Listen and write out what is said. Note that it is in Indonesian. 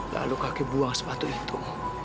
lalu kaki buang sepatu itu